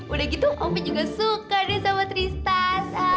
udah gitu opi juga suka deh sama tristan